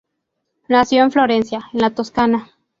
Nació en Florencia, en la Toscana.